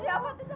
kamu darat kamu